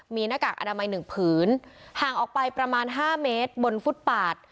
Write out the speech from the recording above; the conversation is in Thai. มีหน้ากากอนามัยหนึ่งผืนห่างออกไปประมาณห้าเมตรบนฟุตปาด